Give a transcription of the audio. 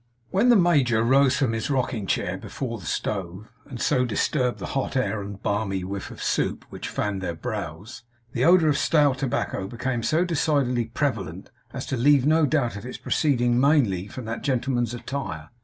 When the major rose from his rocking chair before the stove, and so disturbed the hot air and balmy whiff of soup which fanned their brows, the odour of stale tobacco became so decidedly prevalent as to leave no doubt of its proceeding mainly from that gentleman's attire.